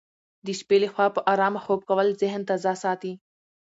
د شپې لخوا په ارامه خوب کول ذهن تازه ساتي.